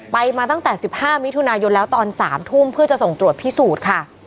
ไปมาตั้งแต่๑๕มิถุนายนแล้วตอน๓ทุ่มเพื่อจะส่งตรวจพิสูจน์ค่ะ